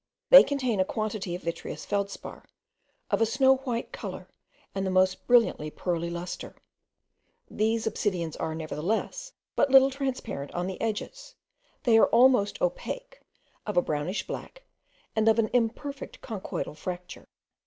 They contain a quantity of vitreous feldspar, of a snow white colour, and the most brilliant pearly lustre. These obsidians are, nevertheless, but little transparent on the edges; they are almost opaque, of a brownish black, and of an imperfect conchoidal fracture.